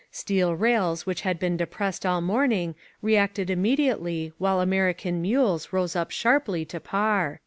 Steel rails which had been depressed all morning reacted immediately while American mules rose up sharply to par."...